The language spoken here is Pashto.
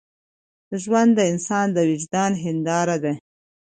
ژوند د انسان د وجدان هنداره ده.